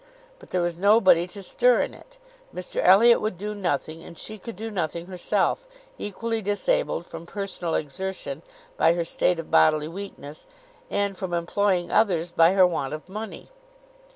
But there was nobody to stir in it. Mr Elliot would do nothing, and she could do nothing herself, equally disabled from personal exertion by her state of bodily weakness, and from employing others by her want of money.